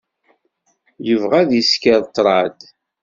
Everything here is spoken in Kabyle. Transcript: Yebɣa ad isker ṭṭrad.